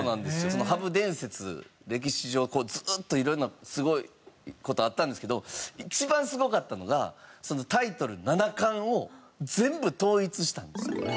その羽生伝説歴史上ずーっと色んなすごい事あったんですけど一番すごかったのがタイトル七冠を全部統一したんです。